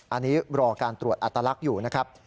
อันนี้รอการตรวจอัตลักษณ์อยู่นะครับ